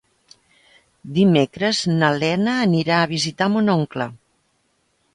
Dimecres na Lena anirà a visitar mon oncle.